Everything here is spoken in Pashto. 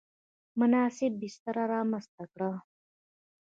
مناسب بستر رامنځته کړ.